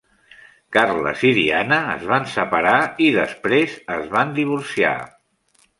Carles i Diana es van separar i després es van divorciar.